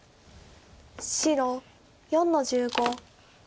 白４の十五。